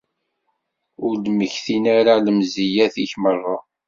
Ur d-mmektin ara d lemziyat-ik merra.